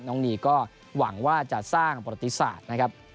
นีก็หวังว่าจะสร้างประติศาสตร์นะครับ